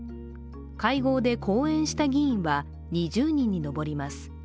会合で講演した議員は２０人に上ります。